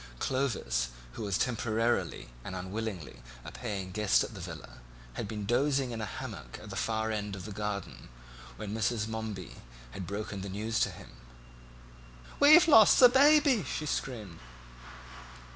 Clovis, who was temporarily and unwillingly a paying guest at the villa, had been dozing in a hammock at the far end of the garden when Mrs. Momeby had broken the news to him. "We've lost Baby," she screamed.